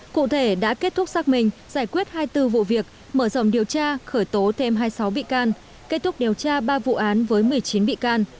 cụ thể đã kết thúc xác minh giải quyết hai mươi bốn vụ việc mở rộng điều tra khởi tố thêm hai mươi sáu bị can kết thúc điều tra ba vụ án với một mươi chín bị can